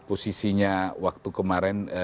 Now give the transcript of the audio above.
posisinya waktu kemarin